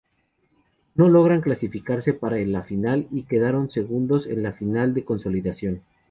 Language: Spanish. No lograron clasificarse para la final y quedaron segundos en la final de consolación.